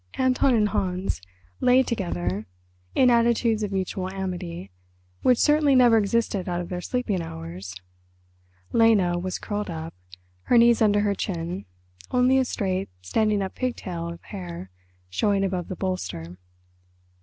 Anton and Hans lay together in attitudes of mutual amity which certainly never existed out of their sleeping hours. Lena was curled up, her knees under her chin, only a straight, standing up pigtail of hair showing above the bolster.